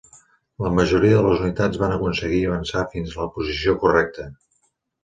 La majoria de les unitats van aconseguir avançar fins a la posició correcta.